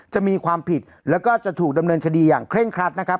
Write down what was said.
จะมีความผิดแล้วก็จะถูกดำเนินคดีอย่างเคร่งครัดนะครับ